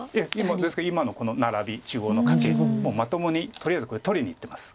ですから今のナラビ中央のカケもうまともにとりあえずこれ取りにいってます。